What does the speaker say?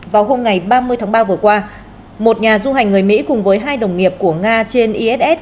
vào hôm ngày ba mươi tháng ba vừa qua một nhà du hành người mỹ cùng với hai đồng nghiệp của nga trên iss